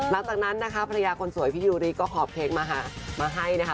หลังจากนั้นนะคะภรรยาคนสวยพี่ยูริก็ขอบเพลงมาให้นะคะ